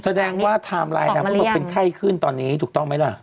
แสดงว่าไทม์ไลน์เป็นไข้ขึ้นตอนนี้ถูกต้องไหมล่ะ